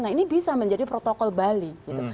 nah ini bisa menjadi protokol bali